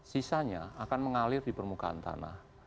sisanya akan mengalir di permukaan tanah